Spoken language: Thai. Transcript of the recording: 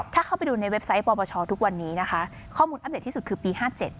ถ้าเข้าไปดูในเว็บไซต์ปปชทุกวันนี้นะคะข้อมูลอัปเดตที่สุดคือปี๕๗